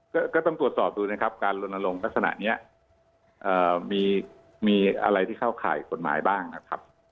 ก็ก็ต้องตรวจสอบดูนะครับการลนลงลักษณะนี้มีอะไรที่เข้าข่ายกฎหมายบ้างนะครับ